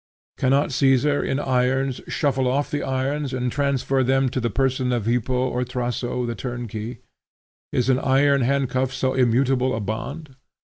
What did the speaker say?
Cannot Caesar in irons shuffle off the irons and transfer them to the person of Hippo or Thraso the turnkey? Is an iron handcuff so immutable a bond?